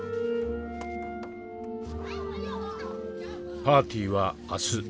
パーティーは明日。